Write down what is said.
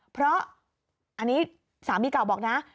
เพราะอันนี้สามีเก่าบอกนะ